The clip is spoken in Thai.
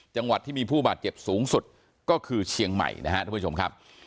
จังหวัดที่มีผู้บาดเจ็บสูงสุดก็คือเชียงใหม่นะครับทุกผู้ชมครับ